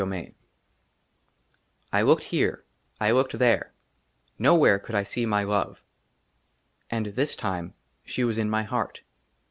S ^^ VIll I LOOKED HERE ; I LOOKED there; NOWHERE COULD 1 SEE MY LOVE. AND THIS TIME SHE WAS IN MY HEART.